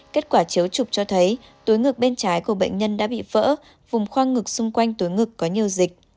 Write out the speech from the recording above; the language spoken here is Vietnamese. kết quả chiếu trục cho thấy túi ngực bên trái của bệnh nhân đã bị vỡ vùng khoang ngực xung quanh túi ngực có nhiều dịch